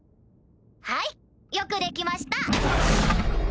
はいよくできました！